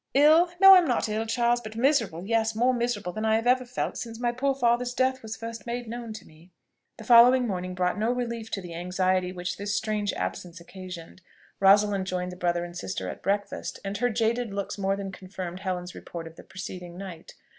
"Ill? No, I am not ill, Charles, but miserable; yes, more miserable than I have ever felt since my poor father's death was first made known to me." The following morning brought no relief to the anxiety which this strange absence occasioned. Rosalind joined the brother and sister at breakfast, and her jaded looks more than confirmed Helen's report of the preceding night.